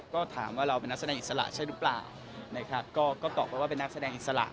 ก็ถามว่าเราเป็นนักแสดงอิสระใช่หรือเปล่านะครับก็ตอบไปว่าเป็นนักแสดงอิสระ